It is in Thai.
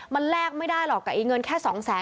มันแลกไม่ได้หรอกกับเงินแค่๒๐๐๐๐๐บาท